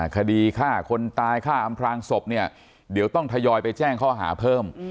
คดีฆ่าคนตายฆ่าอำพลางศพเนี่ยเดี๋ยวต้องทยอยไปแจ้งข้อหาเพิ่ม